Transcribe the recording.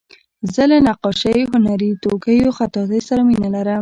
زه له نقاشۍ، هنري توکیو، خطاطۍ سره مینه لرم.